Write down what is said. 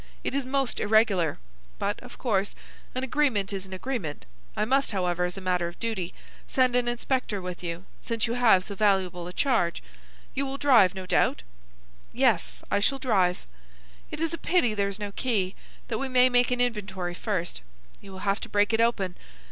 It is most irregular; but of course an agreement is an agreement. I must, however, as a matter of duty, send an inspector with you, since you have so valuable a charge. You will drive, no doubt?" "Yes, I shall drive." "It is a pity there is no key, that we may make an inventory first. You will have to break it open.